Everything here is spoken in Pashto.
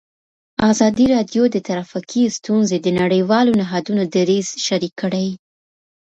ازادي راډیو د ټرافیکي ستونزې د نړیوالو نهادونو دریځ شریک کړی.